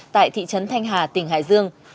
tại thị trấn thanh hà tỉnh hải dương